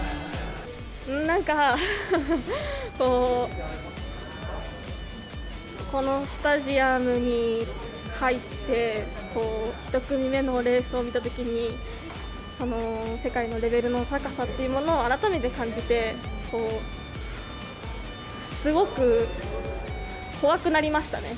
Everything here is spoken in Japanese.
なんか、こう、このスタジアムに入って、１組目のレースを見たときに、その、世界のレベルの高さというものを改めて感じて、こう、すごく怖くなりましたね。